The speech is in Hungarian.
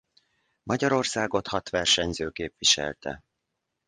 Magyarországot hat versenyző képviselte.